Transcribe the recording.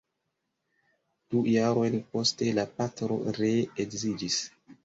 Du jarojn poste la patro ree edziĝis.